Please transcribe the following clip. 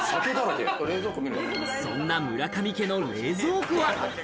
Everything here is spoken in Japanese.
そんな村上家の冷蔵庫は。